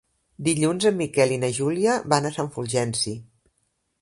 Dilluns en Miquel i na Júlia van a Sant Fulgenci.